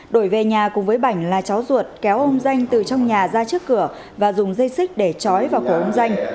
đổi về nhà cùng với bảnh là cháu ruột kéo ông danh từ trong nhà ra trước cửa và dùng dây xích để chói vào cổ ông danh